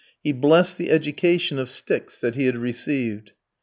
He blessed the education of sticks that he had received.